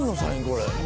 これ。